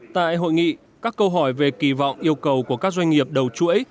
tại hội nghị các câu hỏi về kỳ vọng yêu cầu của các doanh nghiệp đầu chuỗi